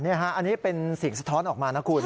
อันนี้ครับอันนี้เป็นสิ่งสะท้อนออกมานะคุณ